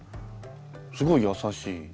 すごい優しい。